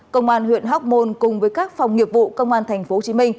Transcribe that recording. công an huyện hóc môn cùng với các phòng nghiệp vụ công an tp hcm